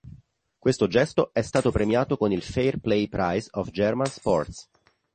Questo gesto è stato premiato con il "Fair Play Prize of German Sports".